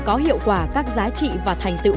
có hiệu quả các giá trị và thành tựu